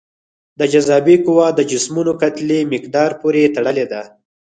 د جاذبې قوه د جسمونو کتلې مقدار پورې تړلې ده.